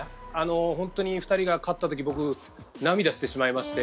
本当に２人が勝った時涙してしまいまして。